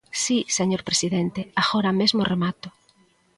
Si, señor presidente, agora mesmo remato.